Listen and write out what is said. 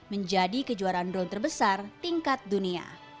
menjadi kejuaraan drone terbesar tingkat dunia